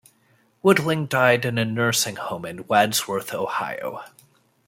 Woodling died in a nursing home in Wadsworth, Ohio.